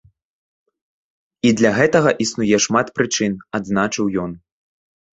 І для гэтага існуе шмат прычын, адзначыў ён.